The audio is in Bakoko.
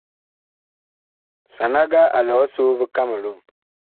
Sanaga a lɛ ɔsoo vi Kamelun.